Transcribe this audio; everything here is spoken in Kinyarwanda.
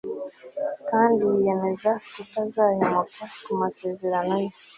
kandi yiyemeza kutazahemuka ku masezerano ye